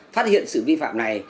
phát hiện sự vi phạm này